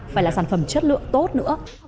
phải là sản phẩm chất lượng tốt nữa